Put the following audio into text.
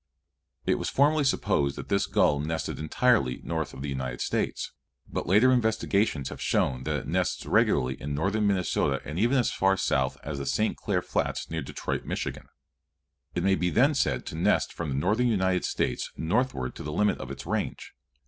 It was formerly supposed that this gull nested entirely north of the United States, but later investigations have shown that it nests regularly in northern Minnesota and even as far south as the Saint Clair Flats near Detroit, Mich. It may then be said to nest from the northern United States northward to the limit of its range.